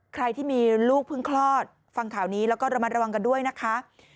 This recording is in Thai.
ใครที่มีลูกเพิ่งคลอดฟังข่าวนี้แล้วก็ระมัดระวังกันด้วยนะคะ